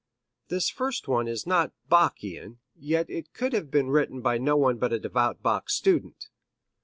This first one is not Bach ian, yet it could have been written by no one but a devout Bach student.